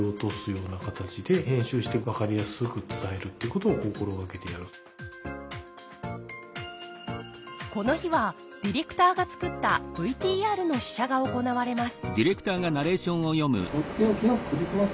我々の番組で言うとこの日はディレクターが作ったＶＴＲの試写が行われます